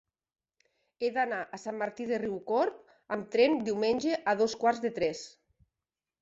He d'anar a Sant Martí de Riucorb amb tren diumenge a dos quarts de tres.